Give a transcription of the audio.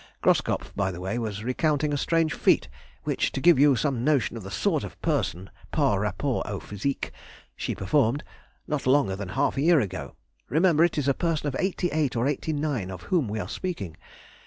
"Groskopff, by the way, was recounting a strange feat which, to give you some notion of the sort of person (par rapport au physique), she performed, not longer than half a year ago. Remember it is a person of eighty eight or eighty nine of whom we are speaking.